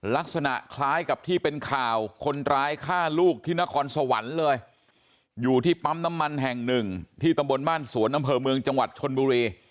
ลักษณะคล้ายกับที่เป็นข่าวคนร้ายฆ่าลูกที่นครสวรรค์เลยอยู่ที่ปั๊มน้ำมันแห่งหนึ่งที่ตำบลบ้านสวนอำเภอเมืองจังหวัดชนบุรี